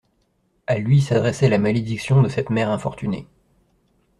À lui s'adressait la malédiction de cette mère infortunée.